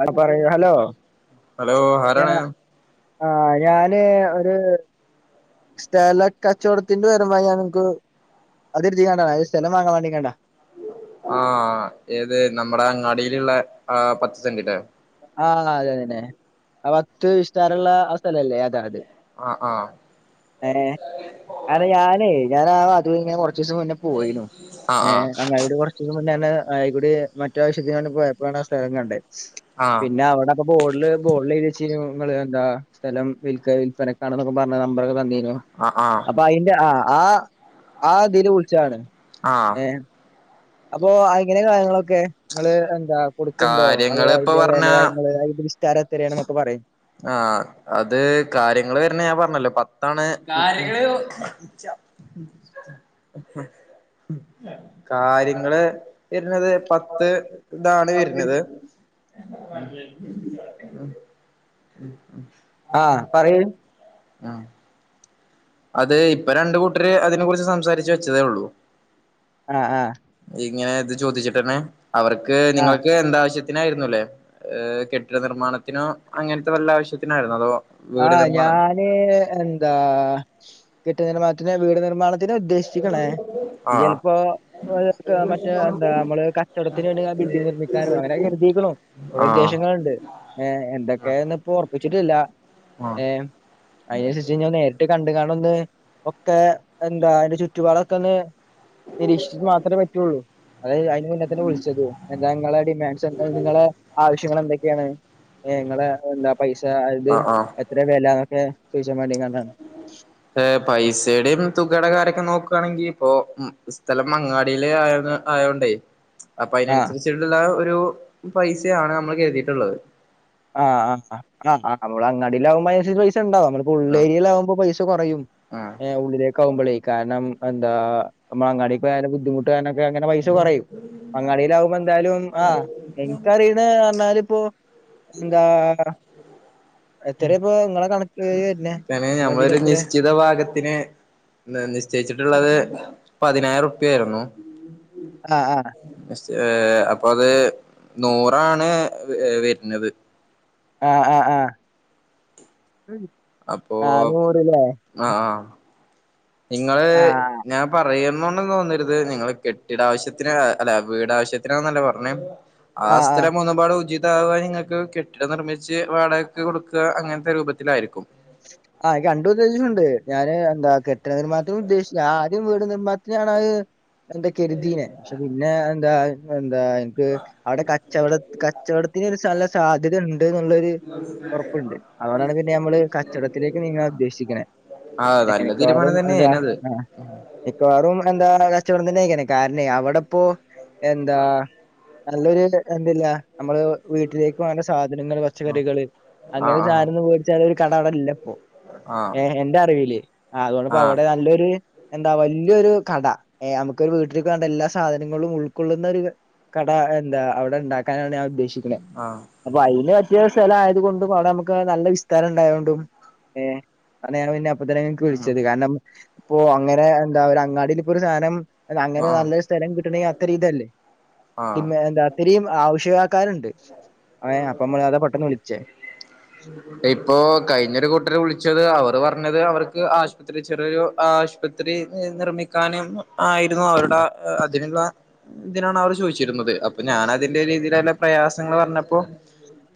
അ പറയ് hello hello ആരാണ് ആ ഞാന് ഒര് സ്ഥല കച്ചോടത്തിന്റെ വരുമ്പോ ഞാൻ നിങ്ങക്ക് അത്രുണ്ട സ്ഥലം വാങ്ങാൻ വേണ്ടി കണ്ട ആ ഏത് നമ്മ്ടെ അങ്ങാടിയിലുള്ള ആ പത്ത് സെന്റിന്റെ ആ അതെ അത് തന്നെ ആ വത്ത് വിസ്തരം ഉള്ള ആ സ്ഥലല്ലേ അത് അത് ആ ആ ഏ ഞാനേ ഞാനാ വസ് - ഉം ഞാന് കൊറ [unintelligible] കുറച്ച ദിവസം മുന്നേ പോയിണു ആ ആ ഏയ അങ്ങോട് കുറച്ച മുന്നേനേ ആയിക്കൂടി മറ്റ് ആവശ്യത്തിന് വേണ്ടി പോയപ്പാണ് ആ സ്ഥലം കണ്ടേ ആ പിന്നെ അവിടെക്കെ ബോഡില് ബോൾളെഴുതിവെച്ചിനു ങ്ങള് എന്താ സ്ഥലം വിൽക്ക വിൽപനക്കാണെന്നോക്കെ പർഞ് നമ്പറൊക്കെ തന്നി യോ ആ ആ അപ്പൊ അയിന്റെ ആഹ് ആഹ് ആതില് വിൾച്ചാണ്. ആ ഏഹ് അപ്പോ അഎങ്ങനെ കങ്ങളൊക്കെ ങ്ങള് ആകൊട്ക്ക്ണ്ടോ അതോ കാര്യങ്ങള് ഇപ്പൊ അയിന്റെ പറഞ്ഞ വെലങ്ങള് [unintelligible] തരത്തെരെയാണൊക്കെ പറയ്‌ ആഹ അത് കാര്യങ്ങൾ വരുണ് ഞാൻ പറഞ്ഞല്ലോ പത്താണ് കാര്യങ്ങള് കാര്യങ്ങള് വരുന്നത് പത്ത് ഇതാണ് വരുന്നത് ഉം ആഹ പറയ് ആഹ അത് ഇപ്പ രണ്ട് കൂട്ടര് അതിനെ കുറിച്ച് സംസാരിച്ച് വെച്ചതേ ഉള്ളൂ ആഹ ആഹ ഇങ്ങനെ ഇത് ചോദിച്ചിട്ടന്നെ അവർക്ക് ആ നിങ്ങൾക്ക് എന്താവശ്യ ത്തിനായിരുന്നുല്ലേ ഹ് കെട്ടിട നിർമ്മാണത്തിനോ അങ്ങനത്തെ വല്ല ആവശ്യത്തിനായിരുന്നോ അതോ വീട് ആഹ് നിർമ്മാണം ഞാന് എന്താ കെട്ടിട നിർമ്മാണത്തിന് വീട് നിർമ്മാണ ജ് ഉദ്ദേശിക്കണേ ആഹ് ഇജ്ചെലപ്പോ ഓല്ക്കെ മറ്റേ എന്താ മ്മള് കച്ചോടത്തിന് വേണ്ടി ആ ബിൽഡിങ്നിർമ്മിക്കാനോ അങ്ങനെയക്കെ കരുതിക്കുണു കോറെ ആഹ് ഉദ്ദേശങ്ങളുണ്ട് ഏ എന്തൊക്കെ ന്ന് പ്പോ ഓർപ്പിച്ചിട്ടില്ല ആഹ് ഏ അതിനുസരിച്ച് ഞാൻ നേരിട്ട് കണ്ട് കാ ടെന്ന് ഒക്കെ എന്താ അതിന്റെ ചുറ്റുപാടൊക്കെ ഒന്ന് നിരീക്ഷിച്ചിച്ച് മാത്രമേ പറ്റുള്ളൂ അ അതിന് പിന്നെ തന്നെ വിളിച്ചതു എന്താ നിങ്ങളെ ഡിമാൻ്സ് നിങ്ങളുടെ ആവശ്യങ്ങൾ എന്തൊക്കെയാണ് നിങ്ങള എന്താ പൈസ അത് ആഹ് ഇത്ര വെലന്നൊക്കെ ചോദിക്കാൻ വേണ്ടി കാണ്ട് ഏ പൈസടെയും തുകയുടെ കാരൊക്കെ നോക്കും കാണെങ്കി ഇപ്പൊ സ്ഥലം മങ്ങാടിൽ ആയ ആ യോണ്ടേ അപ്പൊ ആ അതിനനുസരിച്ചിട്ടുള്ള ഒരപൈസയാണ് നമ്മൾ കരുതിയിട്ടുള്ളത് ആഹ് നമ്മള് അങ്ങാടിൽലാവകുമ്പോൾ അതിനനുസരിച്ച് ക്കണ്ടാവുംനമ്മ ഉള്ളേ ആഹ് ഏരിയെലാകുമ്പോ പൈസ കുറയും ആഹ് ഉള്ളിലേക് ആകുമ്പോളേ കാരണം എന്താ നമ്മളങ്ങാടി പോയാലും ബുദ്ധിമുട്ടാര്നം ത് അങ്ങനെ പൈസ കുറയും. അങ്ങാടിയിലാഉമ്പോ എന്തായാലും ആഹ് എനിക്കറിയ്ണ് പർഞ്ഞാല് പ്പോ എത്രയാ ഇപ്പൊ നിങ്ങളെ കണക്ക് വരുന്നേ [unintelligible] നിങ്ങളെ ഞമ്മളൊരു ഇതിലെത്രയാ നിശ്ചിത ഭാഗത്തിന് ന്ന നിശ്ചയിച്ചിട്ടുള്ളത് പതിനായിരർപ്യായിരുന്നു. ആഹ് ആഹ് എസ് ഏഹ് അപ്പൊ അത് നൂറാണ് വെ വര്ന്നത്. ആഹ് ആഹ് ആഹ് അപ്പോ ആഹ് നൂറ് ലേ ആഹ് ആഹ് നിങ്ങള് ഞാൻ പറയും [unintelligible] തോന്നരുത് നിങ്ങള് കെട്ടിടാവശ്യത്തിന് ഏ അല്ല വീടാവശ്യത്തിനാന്നല്ലെ പറഞ്ഞേ. ആഹ് സ്ഥലം ഒന്നും പാടെ [unintelligible] ഇതാവുക നിങ്ങൾക്ക് കെട്ടിടം നിർമ്മിച്ച് വാടകക്ക് കൊടുക്കുക അങ്ങനത്തെ രൂപത്തിലായിരിക്കും ആ എനിക്ക് രണ്ടുദ്ദേശവുണ്ട് ഞാന് എന്താ കെട്ടിട നിർമ്മാണത്തിന് ഉദ്ദേശിച്ച ആദ്യം വീട് നിർമ്മാത്തിനാണ് അത് എന്താ കരുതിയെ പക്ഷെ പിന്നെ എന്താ നൽ എന്താ എനിക്ക് അവിടെ കച്ചവട കച്ചവടത്തിന് ഒരു സ്ഥല സാധ്യത ഉ ണ്ട്ന്നൊള്ളൊരു ഉറപ്പുണ്ട് അതുകൊണ്ടാണ് പിന്നെ നമ്മള് ക കച്ചടത്തിലേക്ക് നിങ്ങാൻ ഉദ്ദേശിക്കണേ ആഹ് എന്നാ നല്ല മിക്കവാറും തീരുമാനം എന്താ തന്നെയാനത് ആ മിക്കവാറും എന്താ കച്ചവടം തന്നെ [unintelligible] കാരണെ അവിടെപ്പോ എന്താ നല്ലൊരു എന്തില്ലാ നമ്മള് വീട്ടിലേക്ക് വേണ്ട സാ നങ്ങള് പച്ചക്കറികള് അങ്ങനെ ആഹ് സാധനങ്ങള് മേടിച്ചാലൊരു തള്ളലില്ലിപ്പോ ഏഹ് ആഹ് എന്റെ അറിവില് ആഹ് അതുകൊണ്ടിപ്പ ആഹ് അവിടെ നല്ലൊരു എന്താ വലിയൊരു കട നമുക്കൊരു വീട്ടിലേക്ക് വേണ്ട എല്ലാ സാധനങ്ങളും ഉൾക്കൊള്ളുന്ന ഒരു കട എന്താ അവിടെ ഉണ്ടാക്കാനാണ് ഞാൻ ഉദ്ദേശിക്കുന്നത് ആഹ് ആഹ് അപ്പൊ [unintelligible] പുതിയ സ്ഥലം ആയത് കൊണ്ടും അവിടെ നമുക്ക് നല്ല വിസ്താരം ഉണ്ടായതൊണ്ടും ഏഹ് അന്ന് ഞാൻ പിന്ന [unintelligible] ങ്ങൾക്ക് ഉം വിളിച്ചത് കാരണം ഇപ്പോ അങ്ങനെ എന്താ ഒരു അങ്ങാടിലിപ്പൊ ഒരു സാധനം അങ്ങനെ ആഹ് നല്ലൊരു സ്ഥലം കിട്ടണെൽ അത്ര ഇതല്ലേ ആഹ് പിന്നെ എന്താ അത്രയും ആവശ്യക്കാർ ക്കാരുണ്ട് ഏ അപ്പം അത പെട്ടന്ന് വിളിച്ചേ ഇപ്പോ കഴിഞ്ഞൊരു കൂട്ടര് വിളിച്ചത് അവർ പറഞ്ഞത് അവർക്ക് ആശുപത്രി ചെറിയൊരു ആശുപത്രി നിർമ്മിക്കാനും ആയിരുന്നു അവരുടെ അതിനുള്ള ഇതിനാണ് അവർ ചോദിച്ചിരുന്നത് അപ്പൊ ഞാൻ അതിന്റെ രീതിയിലല്ല പ്രയാസങ്ങൾ പറഞ്ഞപ്പോൾ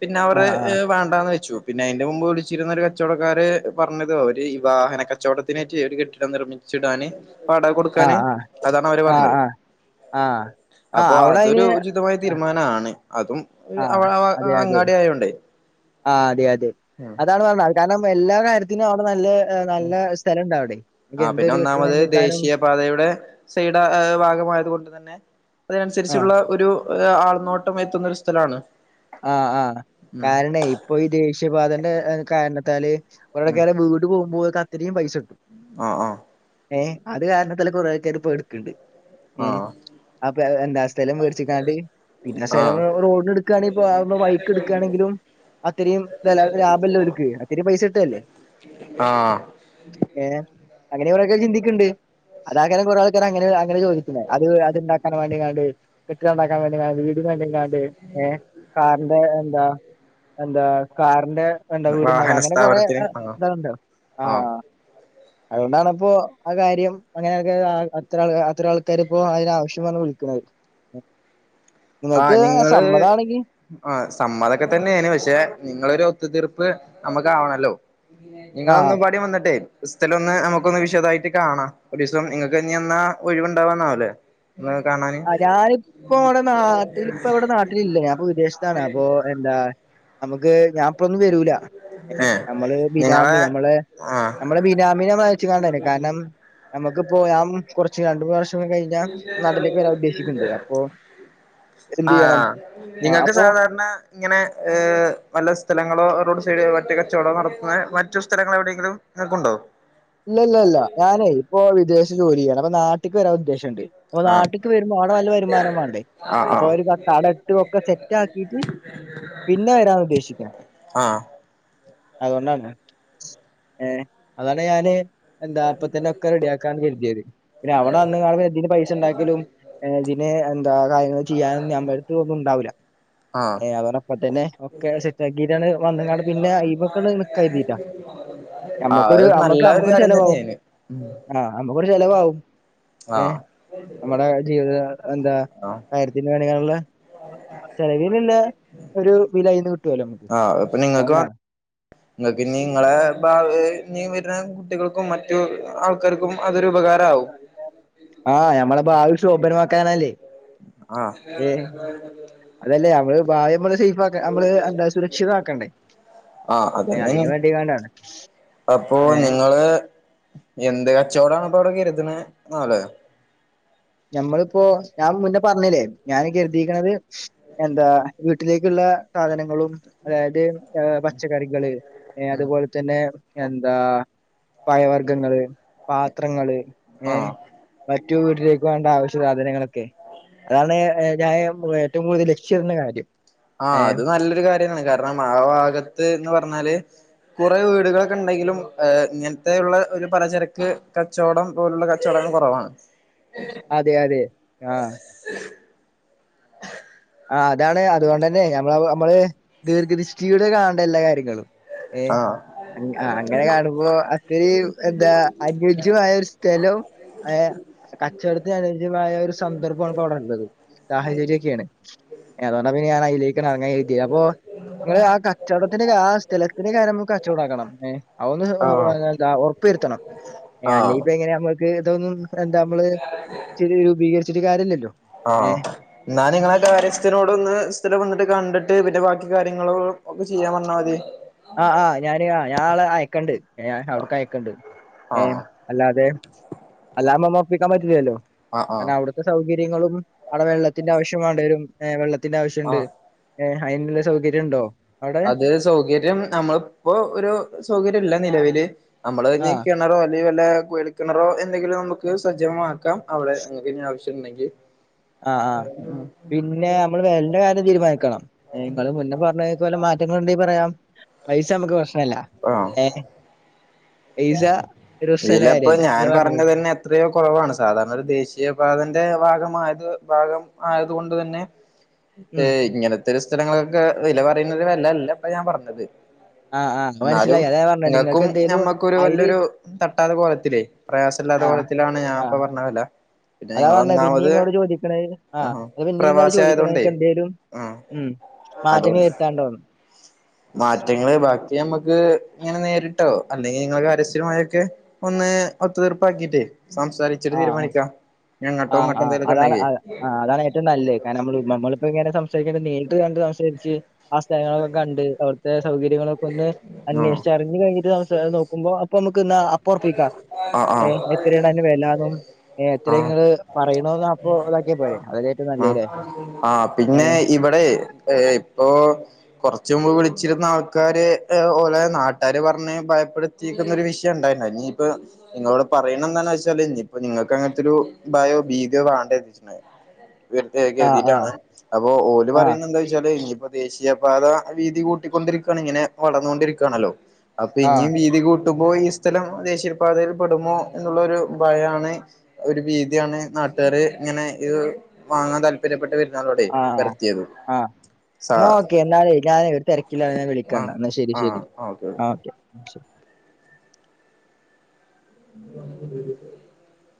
പിന്നെ അവർ ആ വേണ്ടാന്ന് വെച്ചു പിന്നെ എന്റെ മുമ്പ് വിളിച്ചിരുന്ന ഒരു കച്ചവടക്കാര് പറഞ്ഞത് അവര് ഈ വാഹന കച്ചവടത്തിനേറ്റ് ഒരു കെട്ടിടം നിർമ്മിച്ചിടാന് വാടക ആ ആ കൊടുക്കാന് അതാണ് അവര് ആ പറഞ്ഞത് ആ ആ ആ ആ അപ്പൊ അവിടെ അയിന് അതൊരു ഉചിതമായ തീരുമാനമാണ് അതും ആ അവ അതെ അതെ അങ്ങാടി ആയോണ്ടേ- ആ അതെ അത് - അതാണ് പറഞ്ഞാത് കാരണം എല്ലാം- കാര്യത്തിന് അവിടെ നല്ലേ ആ പിന്നെ കെട്ടിട ഒന്നാമത് നിർമ്മിക്കാനും ദേശീയ പാതയുടെ സൈഡ ഭാഗമായത് കൊണ്ട് തന്നെ ആ അതിനനുസരിച്ചുള്ള ഒരു- ആൾനോട്ടം എത്തുന്നൊരു സ്ഥലമാണ്- ആഹ് ആഹ് കാരണേ ഇപ്പൊ ഈ ദേശീയപാതൻ്റെ കാരണ ത്താല്- ഒരാളെക്ക് വീട്വീട്ട് പോകുമ്പോക്ക ഇത്രയും പൈസട്ട് ആഹ് ആ ഏ അത് കാരണത്തില് കുറെ ആക്കാർ ഇപ്പോ എടുക്കണ്ണ്ട്- ഏ അപ്പൊ എന്താ സ്ഥലം മേർച്ചിക്കാണ്ട് പിന്നെ ആ ആ സ്ഥലം റോഡിന എടുക്കുകയാണെങ്ക ുമ്പ വയിക്ക് എടുക്കുകയാണെങ്കിലും അതയും ലാഭല്ല അവക്ക് അ പൈസ ഇട്ടല്ലേ ആ ഏ അങ്ങനെ അവരൊക്കെ ചിന്തിക്ക ക്കണ്ട് അതാകനെ കുറെ ആൾക്കാർ അങ്ങനെ അങ്ങെ ചോദിക്കുന്നത് അത് അത്തുണ്ടാക്കാൻ വേണ്ടിണ് കെട്ടിടണ്ടാക്കാൻ വേ എ വീടന്നണ്ടെ കാണ്ട് ഏ- കാറിന്റെ എന്താ എന്താ കാർ ന്റെ വീടുണ്ടാക്ക വാഹന അങ്ങനെ കൊറെ സ്ഥാപനത്തിന് ആ ഇതണ്ടോ ആ ആഹ് അതുകൊണ്ടാണ ഇപ്പോ ആ കാര്യം അങ്ങനെയൊക്കെ അത്രൾ അത്ര ആൾക്കാര് ഇപ്പോ അതിനാവശ്യം വന്ന് വിളിക്കുന്നത്- ആ നിങ്ങൾക്ക് നിങ്ങള് സമ്മതമാണെങ്കി- ആ സമ്മതൊക്കെ തന്നെയന് പക്ഷെ നിങ്ങളരു ഒത്തുതീർപ്പ് നമ്മുക്ക ആവണല്ലോ? ആഹ് നിങ്ങളൊന്നും പാടി വന്നിട്ടെ ക്രിസ്തല ഒന്ന് നമുക്ക്- ഒന്ന് വിശദായിട്ട് കാണാം ഒരു ദിവസം നിങ്ങക്ക് ഇനി എന്നാ ഒഴിവുണ്ടാവാന്നാവലേ- എന്നാ കാണാന്- നാട്ടിൽ ഇപ്പ ഇവിടെ നാട്ടിലില്ല ഞാൻ വിദേശത്താണ് അപ്പൊ എന്താ നമുക്ക്- ത് ഞാ ഇപ്പം ഒന്നും വരൂല ഏഹ് നമ്മള് ബിനാമി നിങ്ങളെ നമ്മള് ആഹ് നമ്മെ ബിനാമിന വാങ്ങിച്ചാണ്ട് കാരണം നമ്മുക്ക്പ്പോ ഞൻ കുറച് ച്ച് രണ്ടുപ്രാവശ്യം- കഴിഞ്ഞാൽ ഞാൻ നാട്ടിലേക്ക്- വരാൻ ഉദ്ദേശിക്കുന്നുണ്ട് അപ്പൊ എന്ത് ആ ചെയ്യണം ആ നിങ്ങൾക്ക് അപ്പൊ സാധാരണ ഇങ്ങനെ ഏ നല്ല സ്ഥലങ്ങളോരോട്- മറ്റ് കച്ചവടം നടത്തുന്ന മറ്റു സ്ഥലങ്ങൾ എവിടെയെങ്കിലും നിങ്ങൾക്കുണ്ടോ ഇല്ലല്ല ഇല്ല ഞാനേ ഇപ്പൊ വിദേശത്ത് ജോലി ചെയ്യണ് അപ്പൊ നാട്ട്ക്ക് വരാൻ ഉദ്ദേശമുണ്ട് അപ്പൊ ആഹ് നാട്ട്ക്ക് വരുമ്പോൾ അവിടെ വല്ല വരുമാനം വേണ്ടേ ആഹ് അപ്പൊ ആഹ് അവര് ആടെ കടെക്കെ സെറ്റ് ആക്കിട്ട് പിന്നെ വരാൻ ഉദ്ദേശിക്കണെ ആഹ് അതൊണ്ടാണ് ഏ അതാണ് പിന്നെ ഞാന് എന്താ അപ്പ തന്നെ ഒക്കെ റെഡിയാക്കാന്ന് കരുതിയത്. പിന്നെ അവടെ വന്ന്കാണ്ട് പ്പ ഇതിന് പൈസ ഉണ്ടാക്കലും ഏ ഇതിന് എന്താ കാര്യങ്ങൾ ചെയ്യാനൊന്നും നമ്മടുത്ത് ഒന്നും ഉണ്ടാവൂല്ല. ആഹ് ഏ അതാണ് അപ്പ തന്നെ ഒക്കെ സെറ്റാക്കിട്ടാണ് വന്ന് കാണ്ട് പിന്നെ അയ്മ്മക്കാണ്ട് നിക്കാ കര്തീട്ടാ. ആഹ് ഞമ്മക്കൊരു അത് നമുക്ക് നല്ല ഒരു നമുക്കൊരു ഷെ കാര്യം തന്നെയാണ് ആഹ് അപ്പ കുറെ ചെലവാകും. ഏഹ്... ആഹ് നമ്മുടെ ജീവിത എന്താ ആഹ് കാര്യത്തിന് വേ ണ്ടിക്കാൺല്ലെ. ചിലവിനുള്ള ഒരു വില അയ്ന്ന് ആഹ് അത്പ്പ നിങ്ങക്ക് നിങ്ങൾക്ക് ഇനി നിങ്ങളെ ഭാവി ഇനി വരുന്ന കുട്ടികൾക്കും മറ്റും ആഹ്... ഞമ്മളെ ഭാവി ശോഭനമാ ക്കാനല്ലേ... ആഹ് ഏഹ് അതല്ലേ നമ്മള് ഭാവി നമ്മള് സേഫ് ആഹ് നമ്മള് എന്താ സുരക്ഷിതാക്കണ്ടേ... ആഹ് അതന്നേണ് അതിന് വേണ്ടിങ്ങാണ്ടാണ് അപ്പൊ ഏഹ് നിങ്ങള് എന്ത് കച്ചോടണപ്പ അവിടെ കര്ത്ണെ [unintelligible] ഞമ്മളിപ്പോ ഞാൻ മുന്നേ പറഞ്ഞില്ലേ ഞാൻ കരുതീക്കണത് എന്താ വീട്ടിലേക്കുള്ള സാധനങ്ങളും അതായത് ഏഹ് പച്ചക്കറികള് ഏഹ് അതുപോലെ തന്നെ എന്താ പഴവർഗ്ഗങ്ങള്, പാത്രങ്ങള് ഏഹ് ആഹ് മറ്റു വീട്ടിലേ വേണ്ട ആവിശ്യ സാധനങ്ങളൊക്കെ അതാണ് ഞാൻ ഏറ്റവും കൂ ടുതല് ലക്ഷ്യമിടുന്ന കാര്യം ആഹ് ഏഹ് അത് നല്ലൊരു കാര്യാണ് കാരണം ആ ഭാഗത്ത് എന്ന് പറഞ്ഞാല് കുറെ വീടുകളൊക്കെ ഉണ്ടെങ്കിലും ഇങ്ങനത്തെ ഉള്ള ഒരു പലചരക്ക് കച്ചവടം പോലുള്ള കച്ചവടങ്ങൾ കുറവാണ് അതെ അതെ ആഹ് ആഹ് അതാണ് അതുകൊണ്ട് തന്നെ ഞമ്മള് നമ്മള് ദീർഘദൃഷ്ടിയോടെ കാണണ്ടേ എല്ലാ കാര്യങ്ങളും ഏഹ് ആഹ് അങ്ങനെ കാണുമ്പോ അത് എന്താ അനുയോജ്യമായ ഒരു സ്ഥലവും ഏഹ് കച്ചവടത്തിന് അനുയോജ്യമായ ഒരു സന്ദർഭമാണ് ഇപ്പ അവിടെ ഉള്ളത് സാഹചര്യമൊക്കെയാണ് ഏതോണ്ടങ്ങ് ഞാനായി ജയിക്കണം അങ്ങനെ എഴുതിയ അപ്പോ നിങ്ങൾ ആ കച്ചവടത്തിന്റെ ആ സ്ഥലത്തിന്റെ കാര്യം നമുക്ക് ചൂടാക്കണം ഏഹ് അതൊന്ന് ആഹ് ഏഹ് ന്താ ഉറപ്പ് വരുത്തണം അല്ലേ ആഹ് ഇപ്പൊ എങ്ങനെ നമ്മ ക്ക് തോന്നും എന്താ നമ്മള് [unintelligible] ച്ചിട്ട് കാര്യാല്ലല്ലോ ആഹ് നാന് നിങ്ങളെക്കെ കാര്യസ്ഥനോട് ഇന്ന് സ്ഥലം വാങ്ങ കണ്ടിട്ട് പിന്നെ ബാക്കി കാര്യങ്ങള് ഒക്കെ ചെയ്യാൻ പറഞ്ഞാൽ മതി ആഹ് ആഹ് ഞാന് ആഹ് ഞാൻ ആളെ അയക്കണ്ട് ഞ അവിടക്ക് അയക്കണ്ട് ഏഹ് ആഹ് അല്ലാതെ അല്ലാമ്മമ്മ പ്പിക്കാൻ പറ്റില്ലല്ലോ ആഹ് ആഹ് രണം അവിടത്തെ സൗക ര്യങ്ങളും അവിടെ വെള്ളത്തിന്റെ ആവശ്യം വേണ്ടിവരും ഏഹ് വെള്ളത്തിന്റെ ആവശ്യാണ്ട് ആഹ് ഏഹ് അയിനുള്ള സൗകര്യം ഉണ്ടോ അവിടെ? അത് സൗകര്യം നമ്മളിപ്പോ ഒരു സൗകര്യം ഇല്ല നിലവില് നമ്മള് ആ നീക്കണറോ വല്ല കുഴൽക്കിണാറൊ എന്തെങ്കിലും നമുക്ക് സജ്ജമ ക്കാം അവിടെ നിങ്ങക്കിനി ആവിശ് ണ്ടെങ്കി ആ ആ പിന്നെ മ്മള് വെലന്റെ കാര്യം തീരുമാനിക്കണം നിങ്ങള് മുന്നേ പറഞ്ഞലെ മാറ്റ ണ്ട പറയാം പൈസ നമുക്ക് പ്രശ് ല്ല ഏ പൈസ ഒരു പ്രശ്നമുള്ള ഇതിലപ്പൊ കാര്യമല്ല. ഞാൻ നിങ്ങള് പറഞ്ഞോളൂ. പറഞ്ഞത് തന്നെ എത്രയോ കൊറവാണ്. സാധാരണ ഒരു ദേശീയ പാതന്റെ ഭാഗമായത് ഭാഗം ആയത് കൊണ്ട് തന്നെ ഏ ഉം ഇങ്ങനെത്തെ ഒത്തിരി സ്ഥലങ്ങളൊക്കെ വില പറയുന്ന ഒരു വെലല്ലേ അപ്പൊ ഞാൻ പറഞ്ഞത് ആഹ് ആഹ് എന്നാലും മനസ്സിലായി അതെ പറഞ്ഞ നിങ്ങക്ക് നിങ്ങൾക്കും എന്തേലും ഞമ്മക്കൊരു അതില് വല്യൊരു തട്ടാത്ത കോലത്തിലേ പ്രയാസ ഇല്ലാത്ത ആ കോലത്തിലാണ് ഞാൻ ആ ഇപ്പ പറഞ്ഞ വെല അതാ പർഞ്ഞെ പിന്നീ ഇങ്ങോട് ചോദിക്കണ ആ ആഹാ അത് പിന്നെ നിങ്ങളോട് പ്രവാസി ചോദിക്കണ ആയതൊണ്ടേ നിക്ക് എന്തേലും ആഹ് ഉം മാറ്റങ്ങൾ അതോണ്ട് വരുത്താണ്ടോന്ന് പറ്റിയ നമുക്ക് ഇങ്ങനെ നേരിട്ടോ അല്ലെങ്കിൽ നിങ്ങക്ക് അരസ്യമായൊക്കെ ഒന്ന് ഒത്തുതീർപ്പാക്കിട്ടേ സംസാരിച്ചിട്ടു ആ തീരുമാനിക്കാം ഞ്ഞി ആ ങ്ങട്ടോ ആ ഇങ്ങോട്ടും ന്തെലുക്ക അതാണ് ഉണ്ടെങ്കി അ ആ അതാണ് ഏറ്റവും നല്ല കാരണം നമ്മൾ നമ്മളപ്പോ ഇങ്ങനെ സംസ [unintelligible] നേരിട്ട് കണ്ട് സംസാരിച്ച് ആ സ്ഥലങ്ങളൊക്കെ കണ്ട് അവിടുത്തെ സൗകര്യങ്ങളൊക്കെ ഒന്ന് ആഹ് അന്വേഷിച്ച് അറിഞ്ഞ് കഴിഞ്ഞിട്ട് നോക്കുമ്പോ അപ്പൊ നമുക്ക്ന്നാ അപ്പുറപ്പിക്കാം ആഹ് ഏ ആഹ് എത്രയാണ് അയ്‌ന് വെല പ്പം ആഹ് എത്രങ്ങള് പറയണന്ന് അപ്പോ ഇതാക്കിയപ്പോലെ അതല്ലേ ഏറ്റവും ആഹ് നല്ലല്ലേ ആഹ് പിന്നെ ഇവിടെ ഇപ്പോ കുറച്ച് മുമ്പ് വിളിച്ചിരുന്ന ആൾക്കാര് ഓലെ നാട്ടുകാര് പറഞ്ഞ് ഭയപ്പെടുത്തിക്കുന്ന ഒരു വിഷയം ഉണ്ടായിരുന്ന ഇനിയിപ്പ നിങ്ങളോട് പറയണ എന്താണ വെച്ചാല് ഇനിയിപ്പ നിങ്ങൾക്ക് അങ്ങനത്തെ ഒരു ഭയോ ഭീതിയോ വേണ്ടന്നച്ചു വെറ്തെ ആ ആക്കിയാതി ആ [unintelligible] അപ്പോ ഓര് ആ പറയുന്നത് എന്താ വെച്ചാല് ഇനിയിപ്പോ ദേശീയ പാത വീതി കൂട്ടിക്കൊണ്ടിരിക്കുകയാണ് ഇങ്ങനെ വളർന്നൊണ്ടിരിക്കുകയാണല്ലോ അപ്പൊ ആ ഇനിയും വീതി കൂട്ട കിട്ടുമ്പോ ഈ സ്ഥലം ദേശീയപാതയിൽ പെടുമോ എന്നുള്ളരു ഭയാണ് ഒരു ഭീതിയാണ് നാട്ടുകാര് ഇങ്ങനെ ഇത് വാങ്ങാൻ താല്പര്യം പെട്ട് [unintelligible] ആഹ് ആഹ് ആഹ് സാ എന്നാ ഓക്കെ എന്നാലെ ഞാനേ ഒരു തിരക്കിലാണ് ഞൻ ആഹ് വിളിക്കാംന്ന എന്നാ ശരി ആഹ് ശരി ഓക്കെ ഓക്കെ ഒക്കെ [inaudible]